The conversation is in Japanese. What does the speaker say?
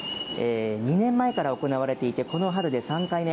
２年前から行われていて、この春で３回目。